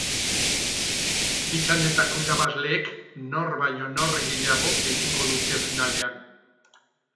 Bi txandetako irabazleek nor baino nor gehiago egingo dute finalean.